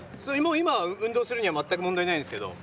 今、運動するのには全く問題ないんですけれども。